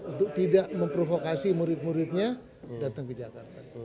untuk tidak memprovokasi murid muridnya datang ke jakarta